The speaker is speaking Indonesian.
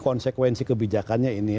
konsekuensi kebijakannya ini